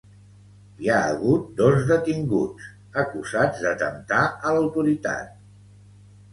Hi ha hagut dos detinguts, acusats d’atemptat a l’autoritat.